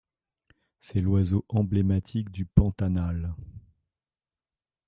C'est l'oiseau emblématique du Pantanal.